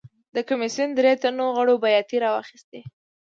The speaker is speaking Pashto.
د کمېسیون درې تنو غړو بیاتۍ راواخیستې.